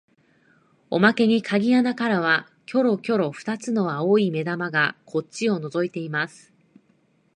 おまけに鍵穴からはきょろきょろ二つの青い眼玉がこっちをのぞいています